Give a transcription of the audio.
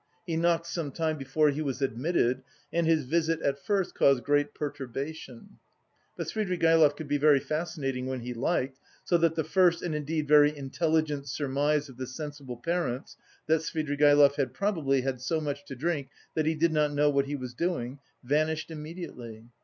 He knocked some time before he was admitted, and his visit at first caused great perturbation; but Svidrigaïlov could be very fascinating when he liked, so that the first, and indeed very intelligent surmise of the sensible parents that Svidrigaïlov had probably had so much to drink that he did not know what he was doing vanished immediately.